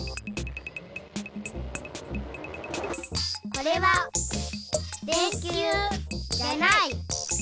これは電きゅうじゃない。